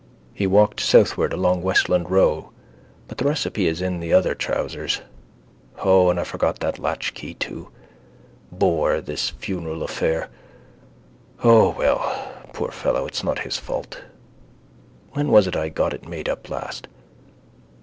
He walked southward along Westland row. But the recipe is in the other trousers. O, and I forgot that latchkey too. Bore this funeral affair. O well, poor fellow, it's not his fault. When was it I got it made up last?